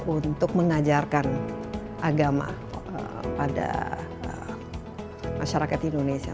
untuk mengajarkan agama pada masyarakat indonesia